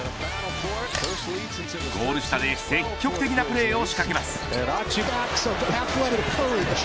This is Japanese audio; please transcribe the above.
ゴール下で積極的なプレーを仕掛けます。